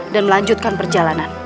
dan melanjutkan perjalanan